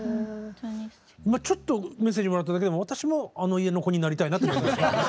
今ちょっとメッセージもらっただけでも私もあの家の子になりたいなと思いました。